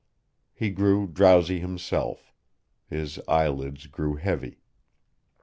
He grew drowsy himself. His eyelids grew heavy.